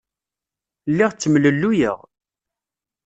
Lliɣ ttemlelluyeɣ.